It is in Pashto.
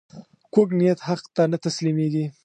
کوږ نیت حق ته نه تسلیمېږي